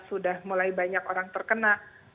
sudah mulai banyak orang terkena